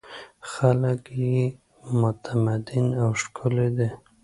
خلک یې متمدن او ښکلي دي.